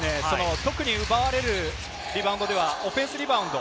特に奪われるリバウンドではオフェンスリバウンド。